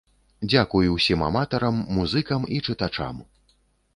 Дзякуй усім аўтарам, музыкам і чытачам.